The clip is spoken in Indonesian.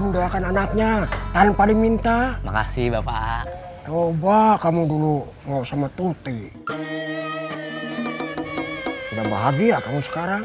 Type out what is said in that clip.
menyayakan anaknya tanpa diminta makasih bapak oba kamu dulu mau sama tuti dan bahagia kamu sekarang